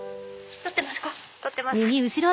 撮ってます。